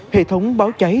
hệ thống báo cháy